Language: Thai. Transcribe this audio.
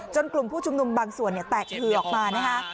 กลุ่มผู้ชุมนุมบางส่วนแตกหือออกมานะคะ